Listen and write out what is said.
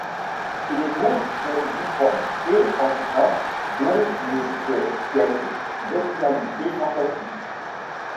Les mots sont difformes, et empreints d’on ne sait quelle bestialité fantastique.